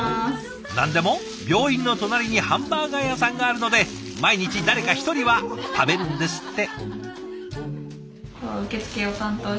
何でも病院の隣にハンバーガー屋さんがあるので毎日誰か一人は食べるんですって。